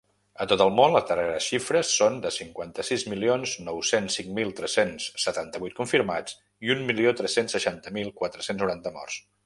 A tot el món, les darreres xifres són de cinquanta-sis milions nou-cents cinc mil tres-cents setanta-vuit confirmats i un milió tres-cents seixanta mil quatre-cents noranta morts.